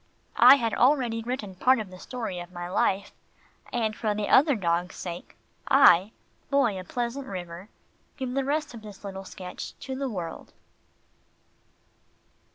I had already written part of the story of my life, and for the other dogs' sake, I, Boy of Pleasant River, give the rest of this little sketch to the world.